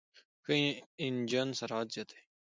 ښه انجن سرعت زیاتوي.